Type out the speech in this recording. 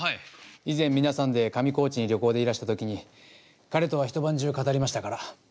以前皆さんで上高地に旅行でいらした時に彼とはひと晩中語りましたから。